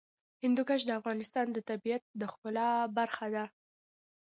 هندوکش د افغانستان د طبیعت د ښکلا برخه ده.